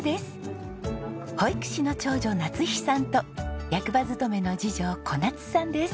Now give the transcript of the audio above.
保育士の長女なつひさんと役場勤めの次女小夏さんです。